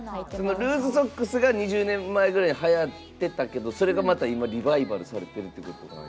ルーズソックスが２０年前ぐらいにはやってたけどそれがまた今、リバイバルされてるってことかな。